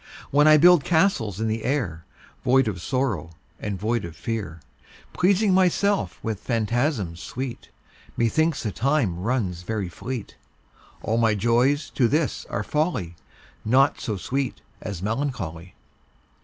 When I build castles in the air, Void of sorrow and void of fear, Pleasing myself with phantasms sweet, Methinks the time runs very fleet. All my joys to this are folly, Naught so sweet as melancholy.